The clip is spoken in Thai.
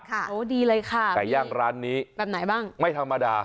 ค่ะโอ้ดีเลยค่ะพี่แบบไหนบ้างไก่ย่างร้านนี้ไม่ธรรมดา